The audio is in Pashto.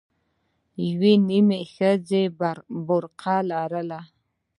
يوې نيمې ښځې به برقه لرله.